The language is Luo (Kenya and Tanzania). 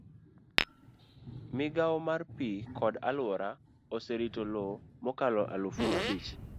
migawo mar pi kod alwora oserito lowo mokalo aluf abich.